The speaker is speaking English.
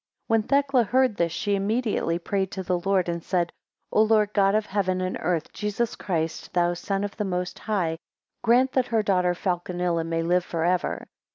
7 When Thecla heard this, she immediately prayed to the Lord, and said: O Lord God of heaven and earth, Jesus Christ, thou Son of the Most High, grant that her daughter Falconilla may live forever.